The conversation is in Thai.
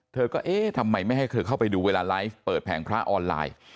เธอก็เอ๊ะทำไมไม่ให้เธอเข้าไปดูเวลาไลฟ์เปิดแผงพระออนไลน์